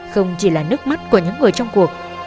không chỉ là nước mắt của những người trong cuộc